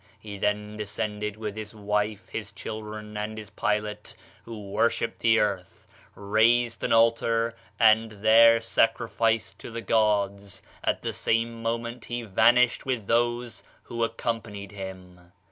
He then descended with his wife, his daughter, and his pilot, who worshipped the earth, raised an altar, and there sacrificed to the gods; at the same moment he vanished with those who accompanied him.